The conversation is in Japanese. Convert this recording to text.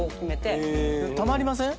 たまりません？